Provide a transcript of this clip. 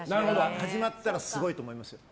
始まったらすごいと思いますよ。